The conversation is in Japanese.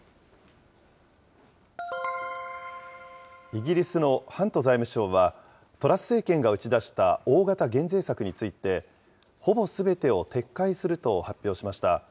イギリスのハント財務相は、トラス政権が打ち出した大型減税策について、ほぼすべてを撤回すると発表しました。